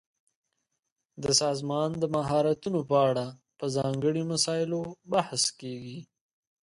د سازمان د مهارتونو په اړه په ځانګړي مسایلو بحث کیږي.